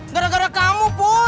gara gara kamu pur